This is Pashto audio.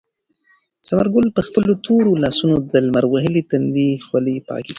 ثمر ګل په خپلو تورو لاسونو د لمر وهلي تندي خولې پاکې کړې.